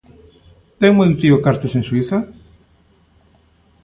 Ten meu tío cartos en Suíza?